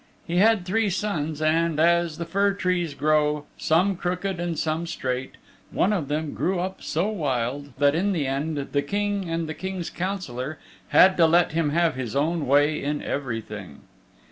He had three sons, and, as the fir trees grow, some crooked and some straight, one of them grew up so wild that in the end the King and the King's Councillor had to let him have his own way in everything.